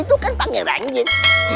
itu kan pangeran